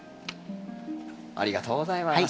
ありがとうございます。